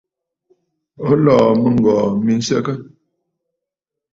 O lɔ̀ɔ̀ mɨŋgɔ̀ɔ̀ mi nsəgə?